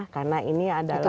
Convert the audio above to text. karena ini adalah